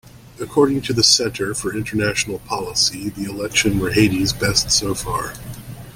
According to the Center for International Policy, the elections were Haiti's best so far.